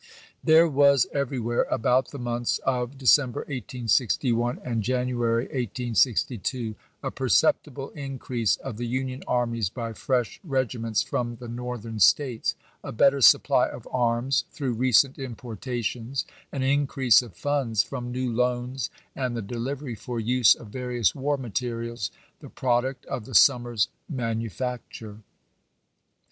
There was everywhere, about the months of December, 1861, and January, 1862, a perceptible increase of the Union armies by fresh regiments from the Northern States, a better supply of arms through recent importations, an increase of funds from new loans, and the delivery for use of various war materials, the product of the summer's manu lis ABKAHAM LINCOLN CHAP. VII. facture.